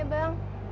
maaf ya bang